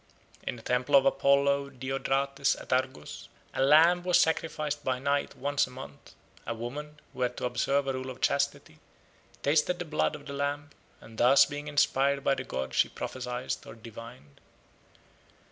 In the temple of Apollo Diradiotes at Argos, a lamb was sacrificed by night once a month; a woman, who had to observe a rule of chastity, tasted the blood of the lamb, and thus being inspired by the god she prophesied or divined.